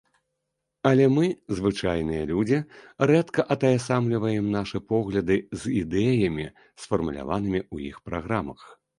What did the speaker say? Але мы, звычайныя людзі, рэдка атаясамліваем нашы погляды з ідэямі, сфармуляванымі ў іх праграмах.